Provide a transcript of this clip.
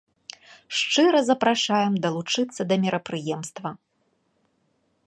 Шчыра запрашаем далучыцца да мерапрыемства.